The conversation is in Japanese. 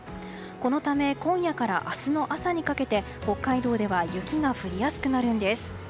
このため今夜から明日の朝にかけて北海道では雪が降りやすくなるんです。